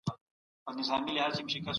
څېړنه د حقیقت د موندلو لاره ده.